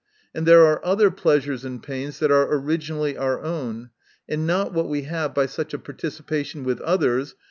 And there are other pleasures and pains that are originally our own, and not what we have by such a participation with others.